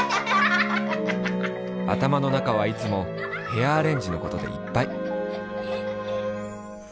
あたまの中はいつもヘアアレンジのことでいっぱい。